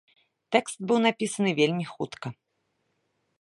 Тэкст быў напісаны вельмі хутка.